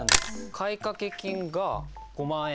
買掛金が５万円？